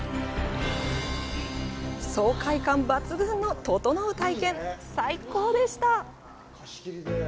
爽快感抜群のととのう体験、最高でした！